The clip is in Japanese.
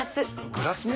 グラスも？